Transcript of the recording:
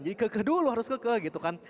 jadi ke ke dulu harus ke ke gitu kan